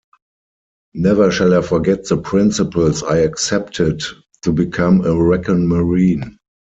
Never shall I forget the principles I accepted to become a Recon Marine.